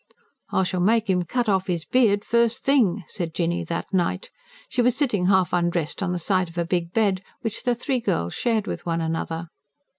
"I shall make 'im cut off 'is beard first thing," said Jinny that night: she was sitting half undressed on the side of a big bed, which the three girls shared with one another.